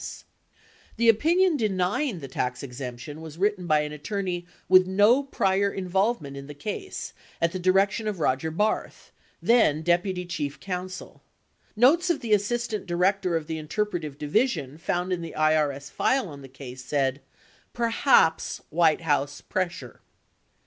84 The opinion denying the tax exemption was writ ten by an attorney with no prior involvement in the case at the direc tion of Boger Barth, then Deputy Chief Counsel. 85 Notes of the As sistant Director of the Interpretive Division found in the IBS file on the case said, " perhaps White House pressure